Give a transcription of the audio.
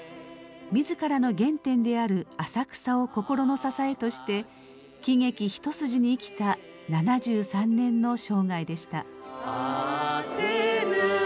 自らの原点である浅草を心の支えとして喜劇一筋に生きた７３年の生涯でした。